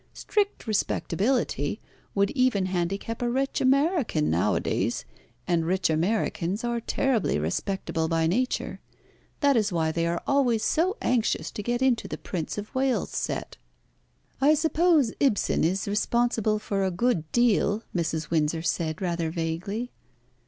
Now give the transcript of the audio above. Strict respectability would even handicap a rich American nowadays, and rich Americans are terribly respectable by nature. That is why they are always so anxious to get into the Prince of Wales' set." "I suppose Ibsen is responsible for a good deal," Mrs. Windsor said rather vaguely.